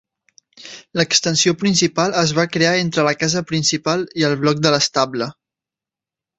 L'extensió principal es va crear entre la casa principal i el bloc de l'estable.